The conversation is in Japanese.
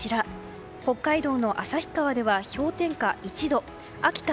北海道の旭川では氷点下